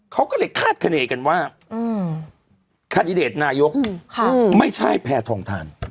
เขาก็เลยคาดคณีกันว่าคาดิเดตนายกไม่ใช่แพทองทาน